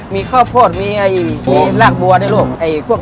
มีข้าวโพดมีรากบัวด้วยลูก